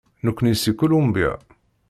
Nekkni seg Colombia.